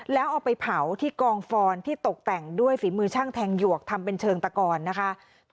แล้วเอาไปเผาที่กองฟอนที่ตกแต่งด้วยฝีมือช่างแทงหยวกทำเป็นเชิงตะกอนนะคะ